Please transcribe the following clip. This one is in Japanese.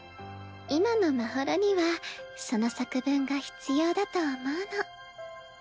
今のまほろにはその作文が必要だと思うの。